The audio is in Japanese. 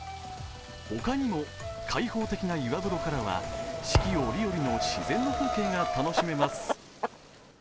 他にも開放的な岩風呂からは四季折々の自然の風景が楽しめます。